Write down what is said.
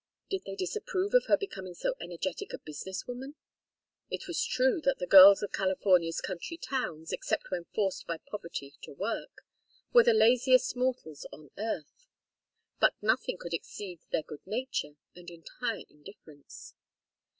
Did they disapprove of her becoming so energetic a business woman? It was true that the girls of California's country towns, except when forced by poverty to work, were the laziest mortals on earth. But nothing could exceed their good nature and entire indifference.